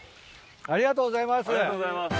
ありがとうございます。